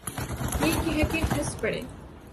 یہ کہہ کے ہنس پڑے۔